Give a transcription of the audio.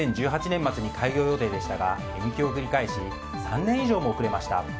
２０１８年末に開業予定でしたが延期を繰り返し３年以上も遅れました。